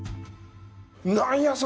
何やそれ！